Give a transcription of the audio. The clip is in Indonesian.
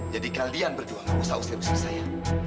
jadi kalian berdua nggak usah usir usir saya